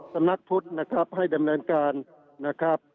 สำนักพุทธให้ดำเนินการนะครับ